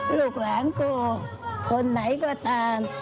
ลูกหลานกูคนไหนก็ตาม